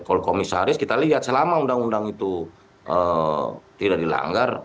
kalau komisaris kita lihat selama undang undang itu tidak dilanggar